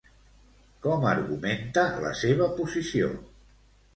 Com argumenta la seva posició?